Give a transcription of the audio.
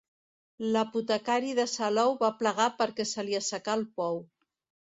L'apotecari de Salou va plegar perquè se li assecà el pou.